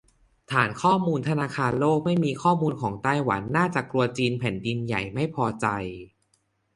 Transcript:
ฐานข้อมูลธนาคารโลกไม่มีข้อมูลของไต้หวัน น่าจะกลัวจีนแผ่นดินใหญ่ไม่พอใจ